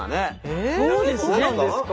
えそうなんですか？